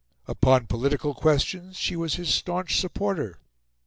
Upon political questions, she was his staunch supporter.